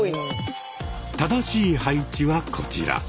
正しい配置はこちら。